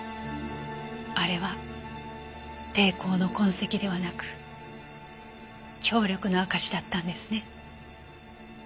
あれは抵抗の痕跡ではなく協力の証しだったんですね。